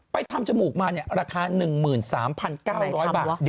ทำจมูกมาราคา๑๓๙๐๐บาท